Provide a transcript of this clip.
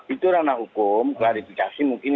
itu ranah hukum klarifikasi mungkin